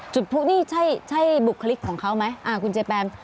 จุดผู้นี่ใช่บุคลิกของเขาไหมคุณเจแปม